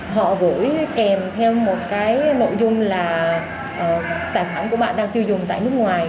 họ gửi kèm theo một cái nội dung là tài khoản của bạn đang tiêu dùng tại nước ngoài